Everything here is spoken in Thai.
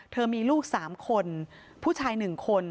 เธอมีลูกสามคนผู้ชายหนึ่งคน